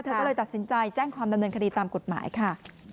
ก็เลยตัดสินใจแจ้งความดำเนินคดีตามกฎหมายค่ะ